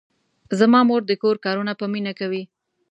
زما مور د کور کارونه په مینه کوي.